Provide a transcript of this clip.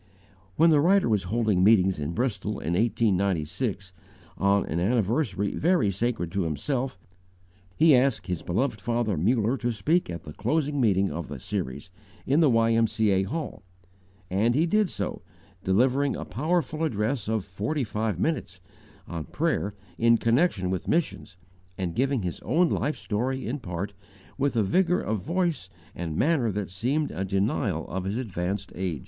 When the writer was holding meetings in Bristol in 1896, on an anniversary very sacred to himself, he asked his beloved father Muller to speak at the closing meeting of the series, in the Y.M.C.A. Hall; and he did so, delivering a powerful address of forty five minutes, on Prayer in connection with Missions, and giving his own life story in part, with a vigour of voice and manner that seemed a denial of his advanced age.